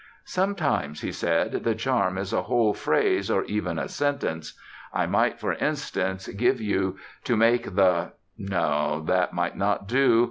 "Sometimes," he said, "the charm is a whole phrase or even a sentence. I might, for instance, give you 'To make the' No, that might not do.